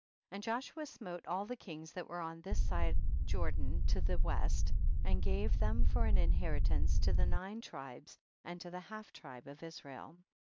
53. And Joshua smote all the kings that were on this side Jordan to the west, and gave them for an inhei'i tance to the nine tribes and to the half tribe of Israel.